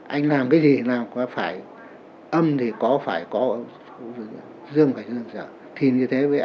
anh làm cái gì làm phải âm thì có phải có dương phải dương trợ tin như thế là làm ảnh tân tới rồi